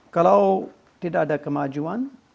kalau tidak ada kemajuan